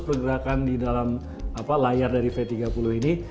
pergerakan di dalam layar dari v tiga puluh ini